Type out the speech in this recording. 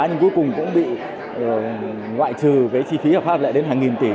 nhưng cuối cùng cũng bị ngoại trừ với chi phí hợp pháp lại đến hàng nghìn tỷ